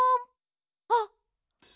あっ！